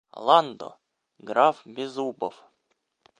Ландо — граф Беззубов.